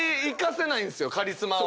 カリスマを。